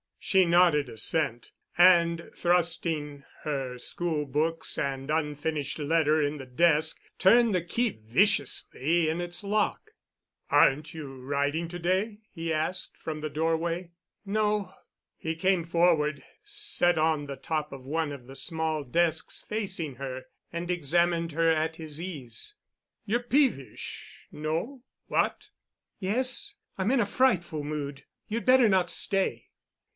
She nodded assent, and, thrusting her school books and unfinished letter in the desk, turned the key viciously in its lock. "Aren't you riding to day?" he asked from the doorway. "No." He came forward, sat on the top of one of the small desks facing her, and examined her at his ease. "You're peevish—no? What?" "Yes. I'm in a frightful mood. You'd better not stay."